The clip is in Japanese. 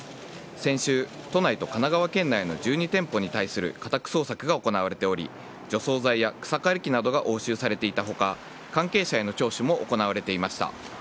先週、都内と神奈川県内の１２店舗に対する家宅捜索が行われており除草剤や草刈り機などが押収されていた他関係者への聴取も行われていました。